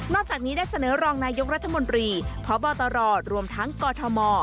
จากนี้ได้เสนอรองนายกรัฐมนตรีพบตรรวมทั้งกอทม